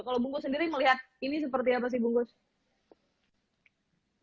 kalau bung goseh sendiri melihat ini seperti apa sih bung goseh